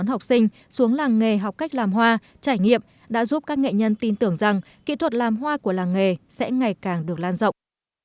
các học sinh xuống làng nghề học cách làm hoa trải nghiệm đã giúp các nghệ nhân tin tưởng rằng kỹ thuật làm hoa của làng nghề sẽ ngày càng được lan rộng